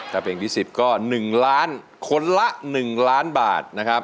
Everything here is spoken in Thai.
ถ้าเพลงที่๑๐ก็๑ล้านคนละ๑ล้านบาทนะครับ